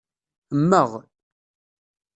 Mmeɣ.